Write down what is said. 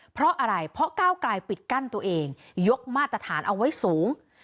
เพราะอะไรเพราะก้าวกลายปิดกั้นตัวเองยกมาตรฐานเอาไว้สูง